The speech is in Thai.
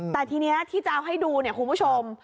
แต่ทีนี้ที่จะเอาให้ดูเนี่ยคุณผู้ชม